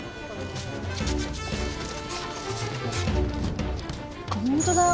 あっ本当だ。